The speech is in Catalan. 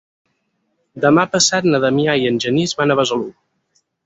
Demà passat na Damià i en Genís van a Besalú.